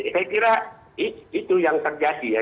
saya kira itu yang terjadi ya